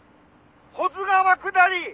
「保津川下り！」